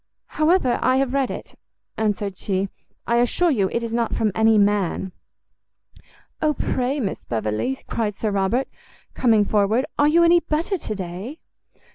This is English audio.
"However, I have read it," answered she, "I assure you it is not from any man." "O pray, Miss Beverley," cried Sir Robert, coming forward, "are you any better to day?"